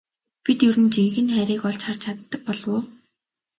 Бид ер нь жинхэнэ хайрыг олж харж чаддаг болов уу?